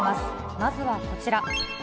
まずはこちら。